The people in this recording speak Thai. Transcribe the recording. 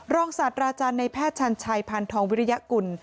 ศาสตราจารย์ในแพทย์ชันชัยพันธองวิริยกุล